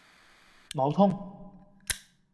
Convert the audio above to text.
不疼